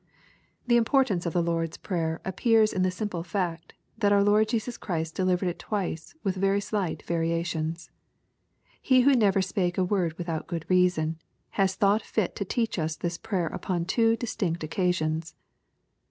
' The importance of the Lord's Prayer appears in the simple fact, that our Lord Jesus Chi is t delivered it twice with very slight variations. He who nuver spake a word without good reason, has thought fit to teach us this prayer upon two distinct occasions.